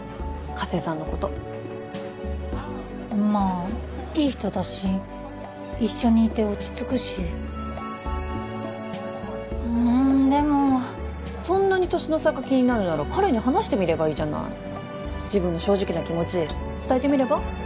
加瀬さんのことまあいい人だし一緒にいて落ち着くしでもそんなに年の差が気になるなら彼に話してみればいいじゃない自分の正直な気持ち伝えてみれば？